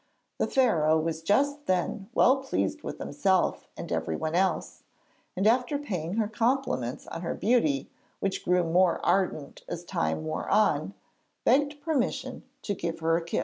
The Pharaoh was just then well pleased with himself and everyone else, and after paying her compliments on her beauty which grew more ardent as time wore on, begged permission to give her a kiss.